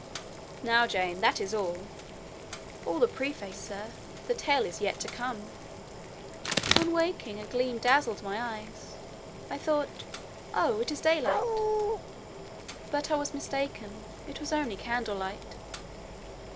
"Now, Jane, that is all." "All the preface, sir; the tale is yet to come. On waking, a gleam dazzled my eyes; I thought—Oh, it is daylight! But I was mistaken; it was only candlelight.